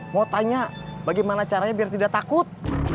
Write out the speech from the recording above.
mau tanya bagaimana caranya biar tidak takut